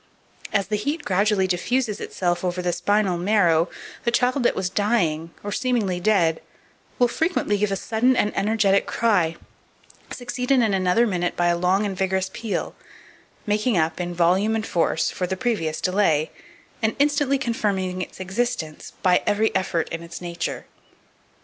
As the heat gradually diffuses itself over the spinal marrow, the child that was dying, or seemingly dead, will frequently give a sudden and energetic cry, succeeded in another minute by a long and vigorous peal, making up, in volume and force, for the previous delay, and instantly confirming its existence by every effort in its nature.